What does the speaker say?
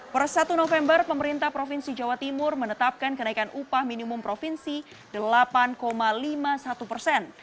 per satu november pemerintah provinsi jawa timur menetapkan kenaikan upah minimum provinsi delapan lima puluh satu persen